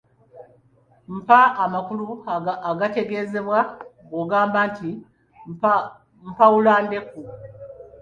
Mpa amakulu agategeezebwa bw’ogamba nti mpawula ndeku.